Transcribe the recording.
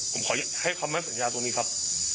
ผมขอให้คำมั่นสัญญาตรงนี้ครับ